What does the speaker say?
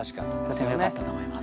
とてもよかったと思います。